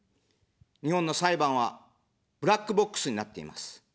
日本の裁判はブラックボックスになっています。